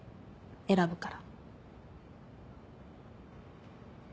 選ぶから。